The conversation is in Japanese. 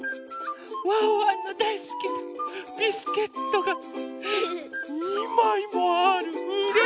ワンワンのだいすきなビスケットが２まいもある！